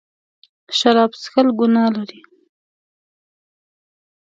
شراب څښل ګناه لري.